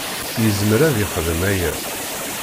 Yezmer ad yexdem aya.